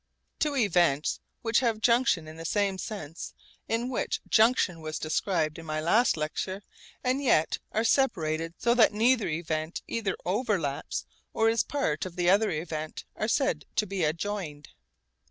Two events which have 'junction' in the sense in which junction was described in my last lecture, and yet are separated so that neither event either overlaps or is part of the other event, are said to be 'adjoined.'